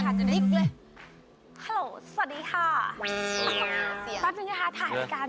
เดี๋ยวจะจ้า